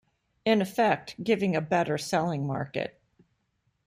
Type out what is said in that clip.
In effect, giving a better selling market.